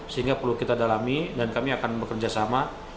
sehingga perlu kita dalami dan kami akan bekerja sama